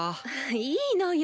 いいのよ。